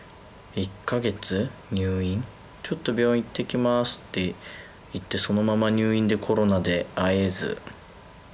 「ちょっと病院いってきます」って行ってそのまま入院でコロナで会えず。